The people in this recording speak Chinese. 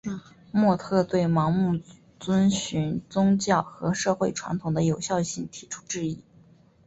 莫特对盲目遵循宗教和社会传统的有效性提出质疑。